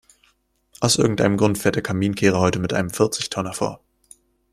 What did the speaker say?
Aus irgendeinem Grund fährt der Kaminkehrer heute mit einem Vierzigtonner vor.